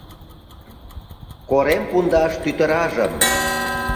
Корем пундаш тӱтыражым